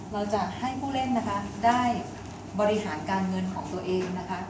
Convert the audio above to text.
เราจะให้ผู้เล่นนะคะได้บริหารการเงินของตัวเองนะคะ